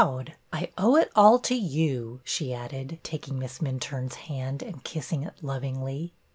And I owe it all to you," she added, taking Miss Minturne's hand and kissing it lovingly.